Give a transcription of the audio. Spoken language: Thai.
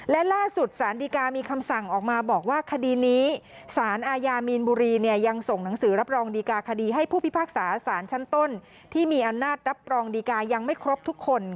และล่าสุดสารดีกามีคำสั่งออกมาบอกว่าคดีนี้สารอาญามีนบุรีเนี่ยยังส่งหนังสือรับรองดีกาคดีให้ผู้พิพากษาสารชั้นต้นที่มีอำนาจรับรองดีกายังไม่ครบทุกคน